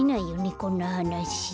こんなはなし。